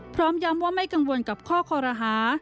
พร้อมย้ำว่าไม่กังวลกับข้อคอรหา